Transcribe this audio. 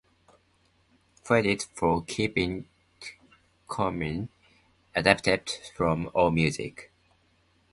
Credits for "Keep It Comin" adapted from Allmusic.